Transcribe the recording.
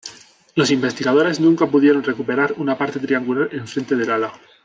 Los investigadores nunca pudieron recuperar una parte triangular enfrente del ala.